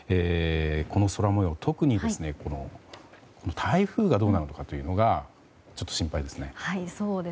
この空模様、特に台風がどうなるのかというのが心配ですね。